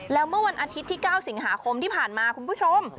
แล้วเมื่อวันอาทิตย์ที่๙สิงหาคมที่ผ่านมาคุณผู้ชม